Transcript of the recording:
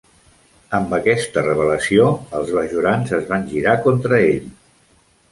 Amb aquesta revelació, els bajorans es van girar contra ell.